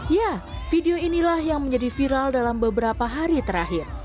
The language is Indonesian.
ya video inilah yang menjadi viral dalam beberapa hari terakhir